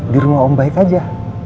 di rumah om baik aja